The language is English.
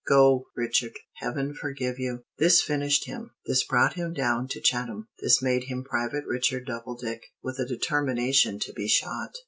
Go, Richard! Heaven forgive you!" This finished him. This brought him down to Chatham. This made him Private Richard Doubledick, with a determination to be shot.